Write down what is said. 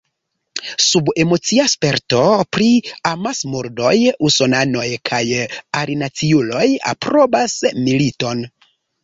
Sub emocia sperto pri amasmurdoj usonanoj kaj alinaciuloj aprobas militon.